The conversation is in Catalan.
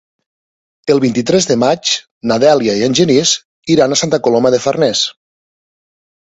El vint-i-tres de maig na Dèlia i en Genís iran a Santa Coloma de Farners.